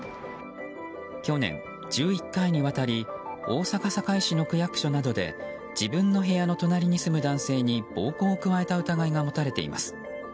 去年１１回にわたり大阪・堺市の区役所などで自分の部屋の隣に住む男性に暴行を加えた疑いが持たれています。